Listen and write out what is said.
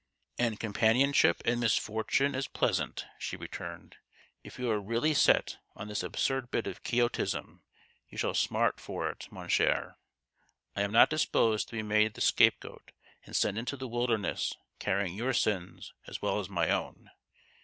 44 And companionship in misfortune is plea sant," she returned. " If you are really set on this absurd bit of Quixotism you shall smart for it, mon cher. I am not disposed to be made the scapegoat, and sent into the wilderness carrying your sins as well as my own.